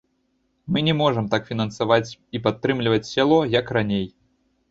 Мы не можам так фінансаваць і падтрымліваць сяло, як раней.